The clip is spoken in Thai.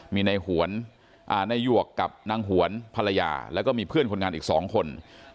มีนายหยวกกับนางหวนภรรยาแล้วก็มีเพื่อนคนงานอีก๒คน